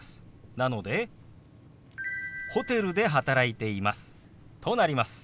なので「ホテルで働いています」となります。